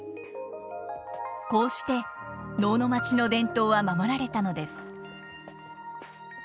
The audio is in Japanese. こうして能の町の伝統は守られたのです。